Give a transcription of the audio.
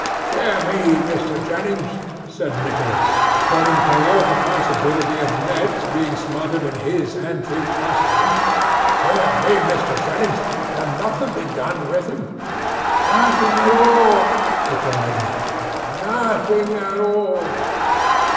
'Dear me, Mr. Jennings,' said Nicholas, turning pale at the possibility of Ned's being smothered in his antique costume—'Dear me, Mr. Jennings, can nothing be done with him?' 'Nothing at all,' replied Ned, 'nothing at all.